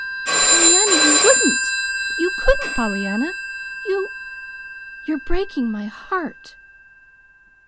"Pollyanna, you wouldn't! You couldn't! Pollyanna, you you're breaking my heart."